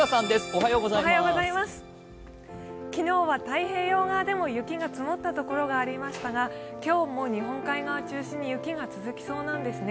昨日は太平洋側でも雪が積もった所がありましたが今日も日本海側中心に雪が続きそうなんですね。